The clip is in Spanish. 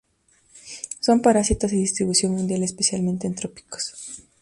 Son parásitos de distribución mundial, especialmente en trópicos.